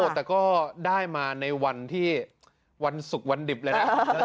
แต่ก็ได้มาในวันที่วันศุกร์วันดิบเลยนะ